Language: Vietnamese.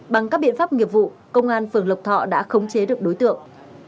bằng các biện pháp nghiệp vụ công an phường lộc thọ đã khống chế được đối tượng